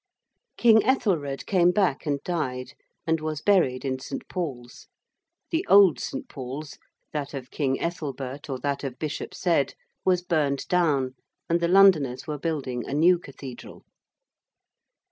King Ethelred came back and died, and was buried in St. Paul's; the old St. Paul's that of King Ethelbert or that of Bishop Cedd was burned down and the Londoners were building a new cathedral.